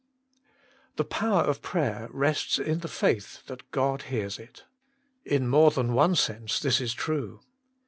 power of prayer rests in the faith that God hears it. In more than one sense this is true.